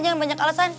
jangan banyak alasan